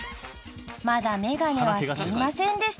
［まだ眼鏡はしていませんでした］